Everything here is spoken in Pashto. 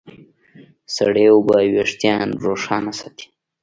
سړې اوبه وېښتيان روښانه ساتي.